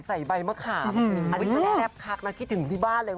ทำไมไม่สวยเหมือนยา